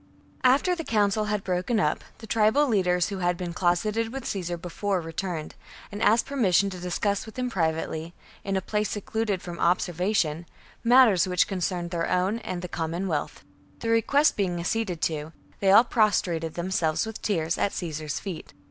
After the council had broken up, the tribal 58 b.c leaders who had been closeted with Caesar before di returned, and asked permission to discuss with "he^envoys him privately, in a place secluded from observa ciS'said tion, matters which concerned their own and the vfsm"s!'^"°" common weal. Their request being acceded to, they all prostrated themselves with tears at Caesar's feet.